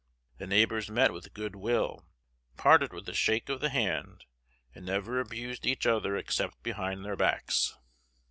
The neighbors met with good will, parted with a shake of the hand, and never abused each other except behind their backs.